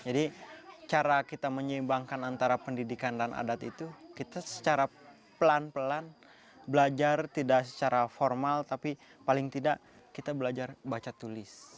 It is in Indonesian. jadi cara kita menyeimbangkan antara pendidikan dan adat itu kita secara pelan pelan belajar tidak secara formal tapi paling tidak kita belajar baca tulis